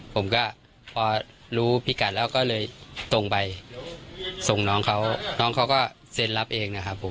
ผมก็พอรู้พิกัดแล้วก็เลยตรงไปส่งน้องเขาน้องเขาก็เซ็นรับเองนะครับผม